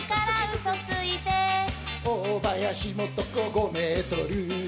大林素子５メートル。